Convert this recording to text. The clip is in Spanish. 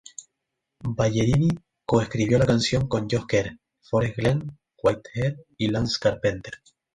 Ballerini co-escribió la canción con Josh Kerr, Forest Glen Whitehead y Lance Carpenter.